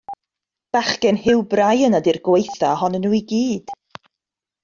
Bachgen Hugh Bryan ydi'r gwaetha ohonyn nhw i gyd.